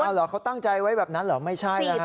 เหรอเขาตั้งใจไว้แบบนั้นเหรอไม่ใช่นะฮะ